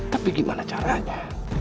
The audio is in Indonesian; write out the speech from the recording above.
tapi gimana caranya